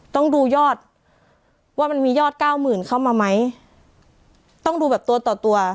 ต้องดูยอดว่ามันมียอด๙๐๐๐๐เข้ามาไหมต้องดูแบบตัวต่อ